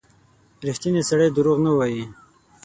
• ریښتینی سړی دروغ نه وايي.